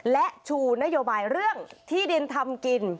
และชูนโยบายเรื่องที่ดินทำกิน